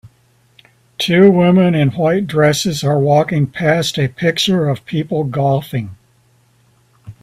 Two women in white dresses are walking past a picture of people golfing.